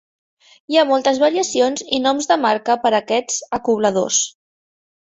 Hi ha moltes variacions i noms de marca per a aquests acobladors.